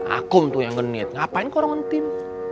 akum tuh yang genit ngapain ke orang ngintin